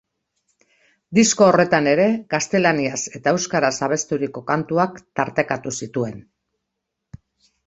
Disko horretan ere, gaztelaniaz eta euskaraz abesturiko kantuak tartekatu zituen.